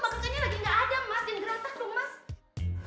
mbak kekenya lagi nggak ada mas dengar gerak tak dong mas